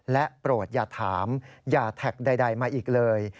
โปรดอย่าถามอย่าแท็กใดมาอีกเลย